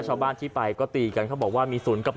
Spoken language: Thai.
ชาวบ้านที่ไปก็ตีกันเขาบอกว่ามี๐กับ๑